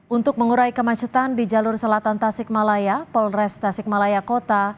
untuk mengurai kemacetan di jalur selatan tasik malaya polres tasikmalaya kota